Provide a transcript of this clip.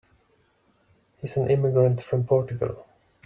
He's an immigrant from Portugal.